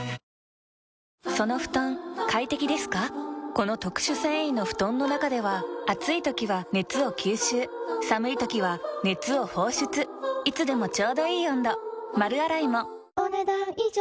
この特殊繊維の布団の中では暑い時は熱を吸収寒い時は熱を放出いつでもちょうどいい温度丸洗いもお、ねだん以上。